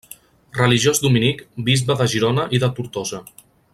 Religiós dominic, bisbe de Girona i de Tortosa.